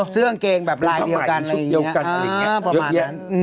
เสื้ออังกฤษแบบลายเดียวกันอะไรอย่างนี้ประมาณนั้น